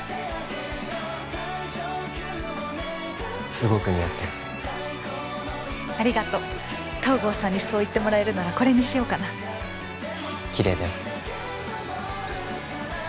すごく似合ってるありがとう東郷さんにそう言ってもらえるならこれにしようかなキレイだよ